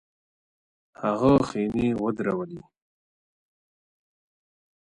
هغه خېمې ودرولې.